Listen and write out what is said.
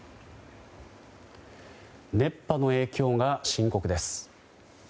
熱波の影響が深刻です。